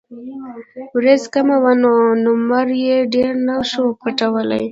وريځ کمه وه نو نمر يې ډېر نۀ شو پټولے ـ